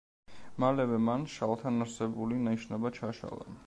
მალევე, მან შარლთან არსებული ნიშნობა ჩაშალა.